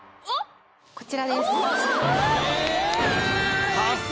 こちらです！